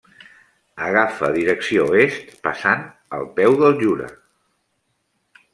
Agafa direcció est, passant al peu del Jura.